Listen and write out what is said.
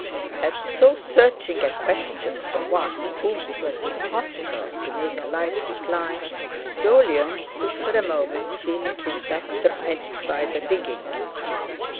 At so searching a question from one to whom it was impossible to make a light reply, Jolyon stood for a moment feeling his back tried by the digging.